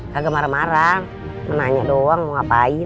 kagak marah marah menanya doang mau ngapain